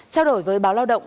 trao đổi với báo lao động